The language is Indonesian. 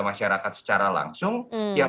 masyarakat secara langsung yang